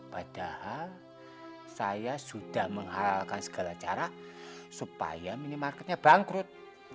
padahal saya sudah mengharalkan segala cara supaya minimarketnya bangkrut